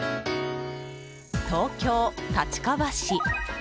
東京・立川市。